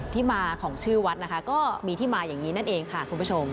ที่มาของชื่อวัดนะคะก็มีที่มาอย่างนี้นั่นเองค่ะคุณผู้ชม